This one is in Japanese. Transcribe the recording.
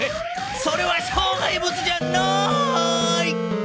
それはしょう害物じゃない！